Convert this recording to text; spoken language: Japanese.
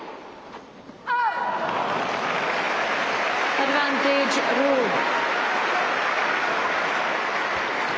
アドバンテージ、ルード。